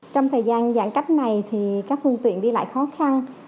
trong thời gian giãn cách này thì các phương tiện đi lại khó khăn